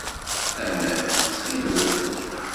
Aman, ttxil-wet.